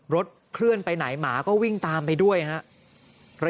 เคลื่อนไปไหนหมาก็วิ่งตามไปด้วยครับ